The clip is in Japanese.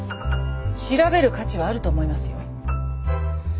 調べる価値はあると思いますよ。